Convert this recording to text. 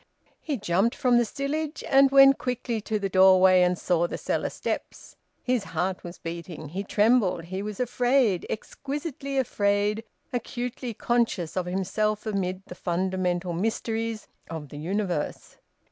He jumped from the stillage, and went quickly to the doorway and saw the cellar steps. His heart was beating. He trembled, he was afraid, exquisitely afraid, acutely conscious of himself amid the fundamental mysteries of the universe.